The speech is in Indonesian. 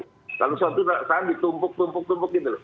kalau suatu sandung ditumpuk tumpuk gitu loh